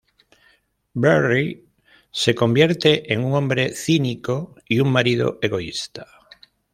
Barry se convierte en un hombre cínico y un marido egoísta.